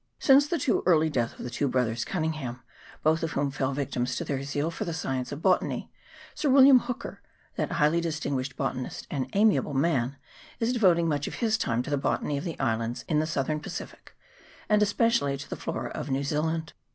Since the too early death of the two brothers Cunningham, both of whom fell victims to their zeal for the science of botany, Sir William Hooker, that highly distinguished botanist and amiable man, is devoting much of his time to the botany of the islands in the Southern Pacific, and especially to the flora of New Zealand.